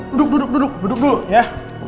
duduk duduk duduk dulu ya